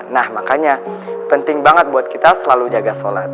nah makanya penting banget buat kita selalu jaga sholat